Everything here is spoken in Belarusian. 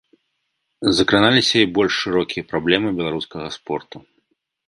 Закраналіся і больш шырокія праблемы беларускага спорту.